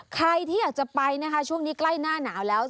ใครที่อยากจะไปนะคะช่วงนี้ใกล้หน้าหนาวแล้ว